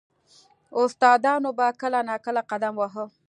• استادانو به کله نا کله قدم واهه.